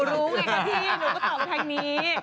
หนูรู้ไงคะที่หนูก็ตอบแถ่งนี้